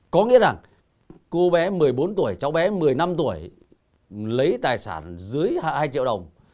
có nghĩa rằng cô bé một mươi bốn tuổi cháu bé một mươi năm tuổi lấy tài sản dưới hai triệu đồng